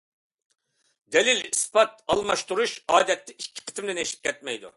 دەلىل-ئىسپات ئالماشتۇرۇش ئادەتتە ئىككى قېتىمدىن ئېشىپ كەتمەيدۇ.